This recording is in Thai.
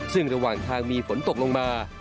ซึ่งระหว่างทางมีฝนตกลงมา